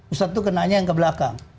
ustadz itu kenanya yang kebelakang